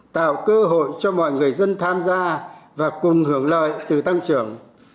tạo cơ hội cho mọi người dân tham gia và cùng hưởng lợi từ tăng trưởng